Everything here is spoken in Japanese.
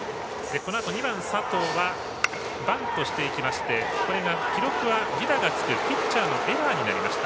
このあと２番、佐藤はバントしていきましてこれが記録は犠打がつくピッチャーのエラーになりました。